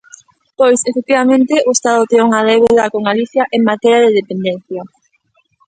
Pois, efectivamente, o Estado ten unha débeda con Galicia en materia de dependencia.